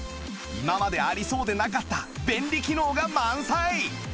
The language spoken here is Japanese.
今までありそうでなかった便利機能が満載！